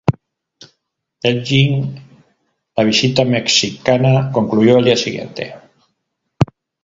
Elgin la visita mexicana concluyó el día siguiente.